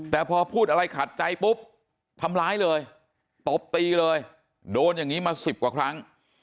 แต่พอพูดอะไรขัดใจปุ๊บทำร้ายเลยตบตีเลยโดนอย่างนี้มา๑๐กว่าครั้ง